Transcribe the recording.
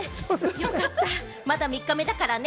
よかった、まだ３日目だからね。